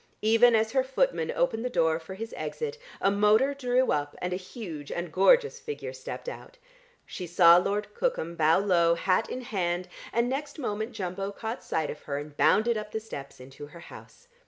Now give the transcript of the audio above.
Even as her footman opened the door for his exit, a motor drew up, and a huge and gorgeous figure stepped out. She saw Lord Cookham bow low, hat in hand, and next moment Jumbo caught sight of her, and bounded up the steps into her house.